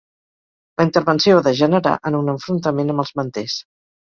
La intervenció va degenerar en un enfrontament amb els manters.